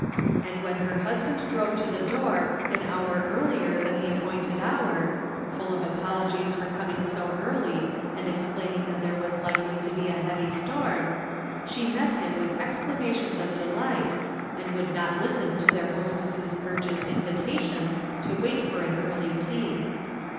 And when her husband drove to the door an hour ear lier than the appointed hour — ^full of apologies for coming so early, and explaining that there was likely to be a heavy storm — she met him with exclamations of delight, and would not listen to their hostess' urgent invitations to wait for an early tea.